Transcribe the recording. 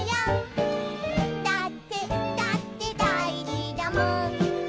「だってだってだいじだもん」